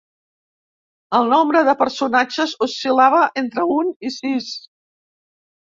El nombre de personatges oscil·lava entre un i sis.